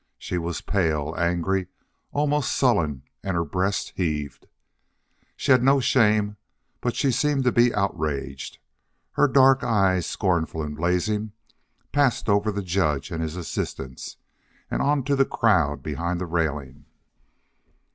She was pale, angry, almost sullen, and her breast heaved. She had no shame, but she seemed to be outraged. Her dark eyes, scornful and blazing, passed over the judge and his assistants, and on to the crowd behind the railing.